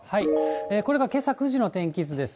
これがけさ９時の天気図です。